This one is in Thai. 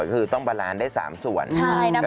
ก็คือ๑๒แล้วก็๓